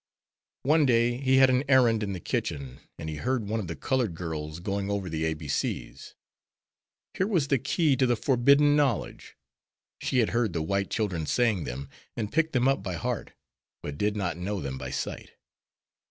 One day he had an errand in the kitchen, and he heard one of the colored girls going over the ABC's. Here was the key to the forbidden knowledge. She had heard the white children saying them, and picked them up by heart, but did not know them by sight.